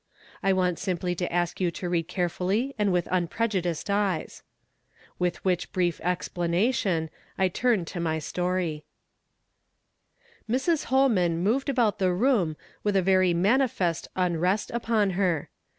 I want simply to ask you to read carefully and with unprejudiced eyes. With which brief explanation, I turn to my story. Mrs. ITolman moved about the room with a very manifest unrest upon her.